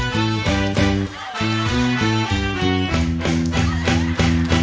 และร้องไปหาที่จะรอแก่สุด